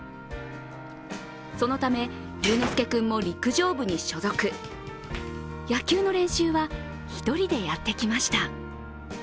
そのため、龍之介君も陸上部に所属野球の練習は１人でやってきました